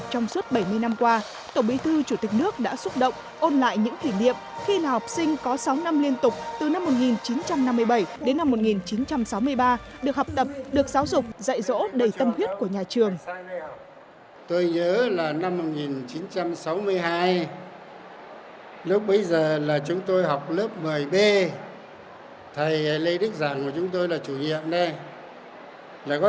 tổng bí thư chủ tịch nước nguyễn phú trọng đã đến dự lễ kỷ niệm bảy mươi năm thành lập trường trung học phổ thông nguyễn phú trọng